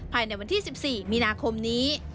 ภายในวันที่๑๔มีนาคมนี้